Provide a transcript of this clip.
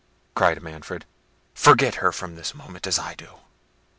cried Manfred. "Forget her from this moment, as I do.